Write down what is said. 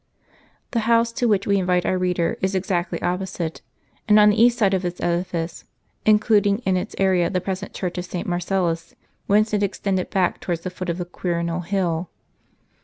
The house to which we invite our reader is exactly oppo site, and on the east side of this edifice, including in its area the present church of St. Marcellus, whence it extended back towards the foot of the Quirinal hill.